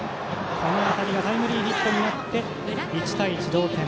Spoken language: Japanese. この当たりがタイムリーヒットになって１対１、同点。